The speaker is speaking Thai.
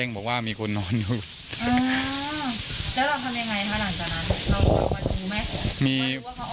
ว่าดูว่าเขาออกไปตอนไหน